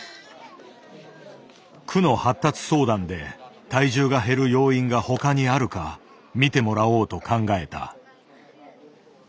区の発達相談で体重が減る要因が他にあるかみてもらおうと考えた。